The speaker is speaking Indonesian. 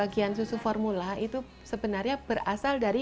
pelayanan pembagian susu formula itu sebenarnya berasal dari